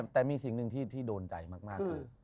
แต่มีสิ่งหนึ่งที่โดนใจมากคือ